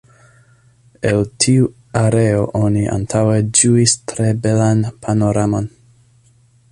El tiu areo oni antaŭe ĝuis tre belan panoramon.